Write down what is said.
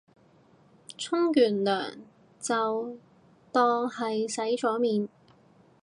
沖完涼就當係洗咗面